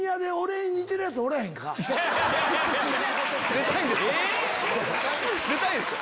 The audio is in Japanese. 出たいんですか